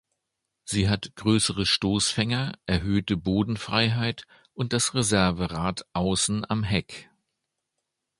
Sie hat größere Stoßfänger, erhöhte Bodenfreiheit und das Reserverad außen am Heck.